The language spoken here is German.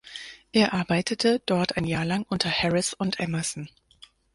Er arbeitete dort ein Jahr lang unter Harris und Emerson.